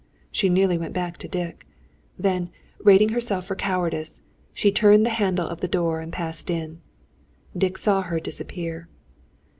She nearly went back to Dick. Then rating herself for cowardice she turned the handle of the door and passed in. Dick saw her disappear.